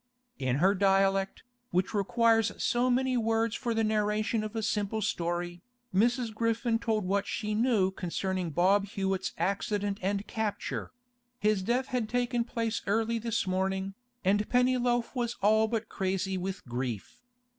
In her dialect, which requires so many words for the narration of a simple story, Mrs. Griffin told what she knew concerning Bob Hewett's accident and capture; his death had taken place early this morning, and Pennyloaf was all but crazy with grief.